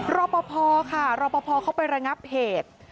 รปภค่ะรปภเขาไประงับเพจ